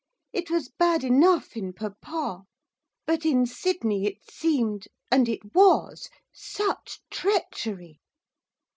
It was bad enough in papa, but in Sydney it seemed, and it was, such treachery.